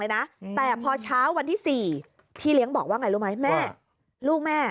นะแต่พอเช้าวันที่๔พี่เลี้ยงบอกว่าไงรู้ไหมแม่ลูกแม่